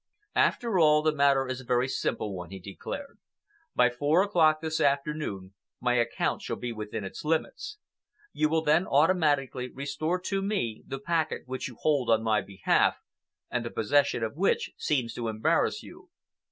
"After all, the matter is a very simple one," he declared. "By four o'clock this afternoon my account shall be within its limits. You will then automatically restore to me the packet which you hold on my behalf, and the possession of which seems to embarrass you."